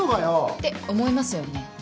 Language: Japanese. って思いますよね？